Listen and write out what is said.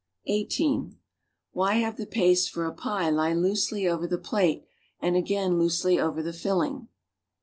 (18) Why have the paste for apiclicloose 1_\' over the plate and again loosely over the fill ing?